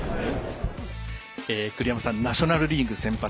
栗山さんナショナルリーグ先発